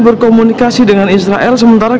berkomunikasi dengan israel sementara